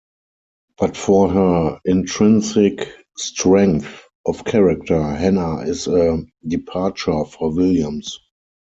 But for her intrinsic strength of character, Hannah is a departure for Williams.